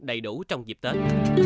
đầy đủ trong dịp tết